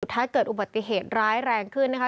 ถ้าเกิดอุบัติเหตุร้ายแรงขึ้นนะคะ